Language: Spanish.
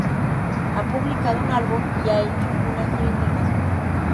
Ha publicado un álbum y ha hecho una gira internacional.